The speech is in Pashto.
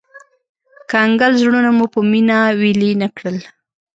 کنګل زړونه مو په مينه ويلي نه کړل